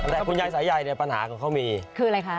แต่คุณยายสายใยเนี่ยปัญหาของเขามีคืออะไรคะ